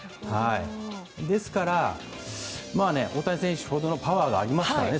ですから、大谷選手パワーがありますからね。